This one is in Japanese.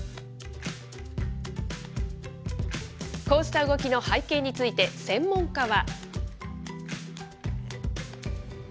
こうした動きの背景について、専門家は。